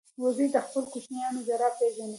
وزې د خپلو کوچنیانو ژړا پېژني